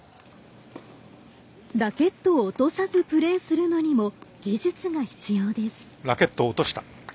ラケットを落とさずプレーするのにも技術が必要です。